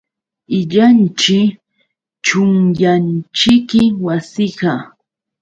Illanćhi, chunyanćhiki wasinqa.